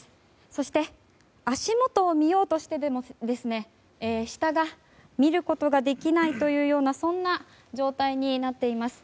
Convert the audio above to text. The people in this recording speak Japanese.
そして、足元を見ようとしても下を見ることができないようなそんな状態になっています。